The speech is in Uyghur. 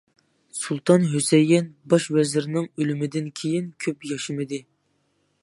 سۇلتان ھۈسەيىن باش ۋەزىرنىڭ ئۆلۈمىدىن كېيىن كۆپ ياشىمىدى.